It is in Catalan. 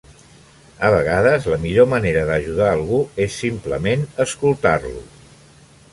A vegades la millor manera d'ajudar algú és simplement escoltar-lo.